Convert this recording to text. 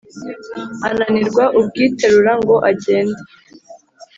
ananirwa ubwiterura ngo agende